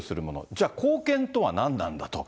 じゃあ、貢献とは何なんだと。